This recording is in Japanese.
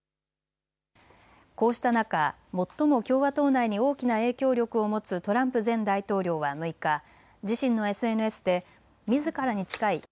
こうした中、最も共和党内に大きな影響力を持つトランプ前大統領は６日、自身のＳＮＳでみずからに近い